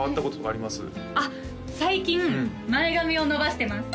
あっ最近前髪を伸ばしてます！